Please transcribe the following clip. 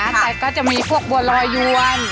แต่ก็จะมีพวกบัวรอยวน